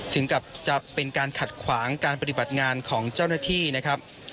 ถึงกับจะเป็นการขัดขวางการปฏิบัติงานของเจ้าหน้าที่นะครับ